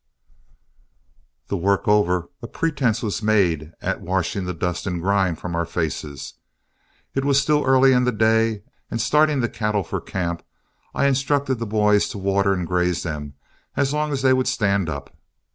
The work over, a pretense was made at washing the dust and grime from our faces. It was still early in the day, and starting the cattle for camp, I instructed the boys to water and graze them as long as they would stand up.